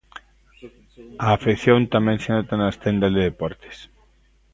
A afección tamén se nota nas tendas de deportes.